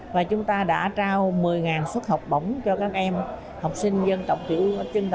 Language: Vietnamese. và chúng ta đã trao một mươi xuất học bổng cho các em học sinh dân tộc biển